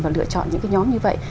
và lựa chọn những cái nhóm như vậy